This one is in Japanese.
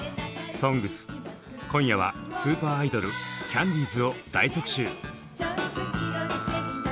「ＳＯＮＧＳ」今夜はスーパーアイドルキャンディーズを大特集！